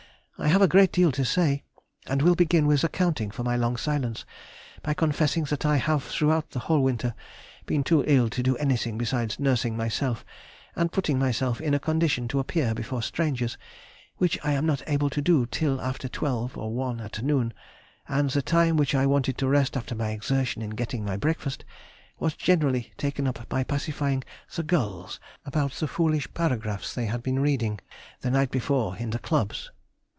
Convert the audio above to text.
I have a great deal to say, and will begin with accounting for my long silence, by confessing that I have throughout the whole winter been too ill to do anything besides nursing myself, and putting myself in a condition to appear before strangers, which I am not able to do till after twelve or one at noon, and the time which I wanted to rest after my exertion and getting my breakfast was generally taken up by pacifying the gulls about the foolish paragraphs they had been reading the night before in the Clubs.